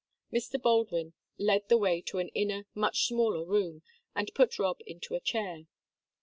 Mr. Baldwin led the way to an inner, much smaller room, and put Rob into a chair.